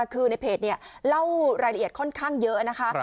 คือในเพจเล่ารายละเอียดค่อนข้างเยอะนะคะ